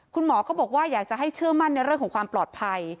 คุณหมอก็บอกว่าอยากจะให้เชื่อมั่นในเรื่องของความปลอดภัย